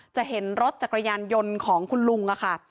จะเห็นรถจักรยานยนต์ของคุณลุงค่ะ